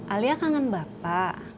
alia kangen bapak